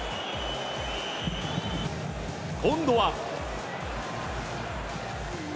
今度は。